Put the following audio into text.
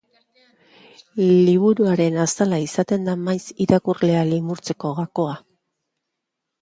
Liburuaren azala izaten da maiz irakurlea limurtzeko gakoa.